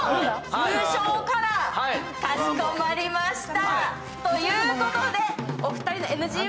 優勝カラー、かしこまりました。